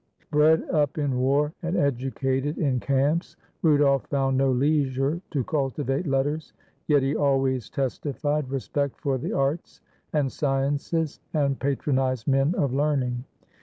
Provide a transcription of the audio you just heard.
Bred up in w5,r and educated in camps, Rudolf found no leisure to cultivate letters; yet he always testified respect for the arts and sciences and patronized men of learning.